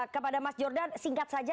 kepada mas jordan singkat saja